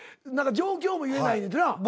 何か状況も言えないねんてな。